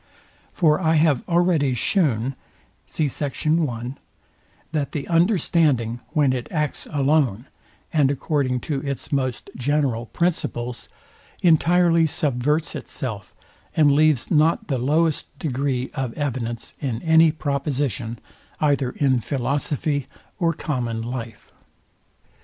For I have already shewn, that the understanding, when it acts alone, and according to its most general principles, entirely subverts itself, and leaves not the lowest degree of evidence in any proposition, either in philosophy or common life.